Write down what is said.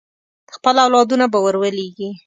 خپل اولادونه به ور ولېږي.